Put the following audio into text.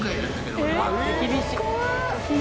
厳しい。